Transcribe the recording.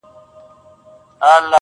وږی نه يم، قدر غواړم.